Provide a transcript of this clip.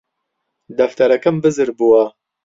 دەفتەرەکەم بزر بووە